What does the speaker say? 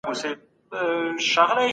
رومانس او فولکلور تر منځ څه توپير دی؟